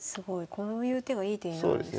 こういう手がいい手になるんですね。